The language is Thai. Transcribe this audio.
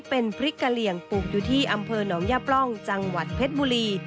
เป็นพริกกะเหลี่ยงปลูกอยู่ที่อำเภอหนองย่าปล่องจังหวัดเพชรบุรี